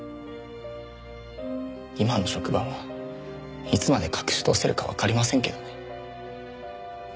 今の職場もいつまで隠し通せるかわかりませんけどね。